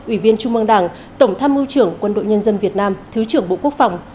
ủy viên trung mương đảng tổng tham mưu trưởng quân đội nhân dân việt nam thứ trưởng bộ quốc phòng